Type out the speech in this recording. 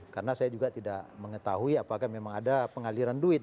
karena saya juga tidak mengetahui apakah memang ada pengaliran duit